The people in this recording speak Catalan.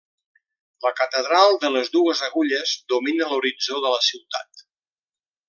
La catedral de les dues agulles domina l'horitzó de la ciutat.